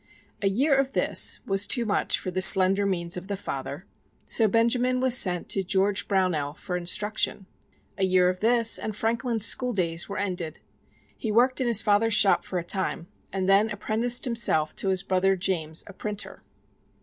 A year of this was too much for the slender means of the father, so Benjamin was sent to George Brownell for instruction. A year of this and Franklin's school days were ended. He worked in his father's shop for a time, and then apprenticed himself to his brother James, a printer.